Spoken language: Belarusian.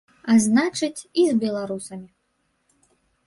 А значыць, і з беларусамі.